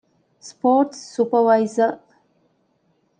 ސްޕޯރޓްސް ސުޕަރވައިޒަރ